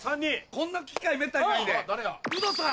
こんな機会めったにないんでウドさん！